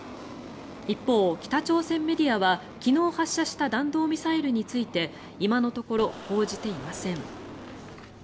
一方、北朝鮮メディアは昨日発射した弾道ミサイルについて今のところ報じていません。